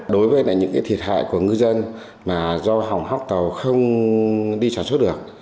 đối với những cái thiệt hại của ngư dân mà do hỏng hóc tàu không đi tròn xuất được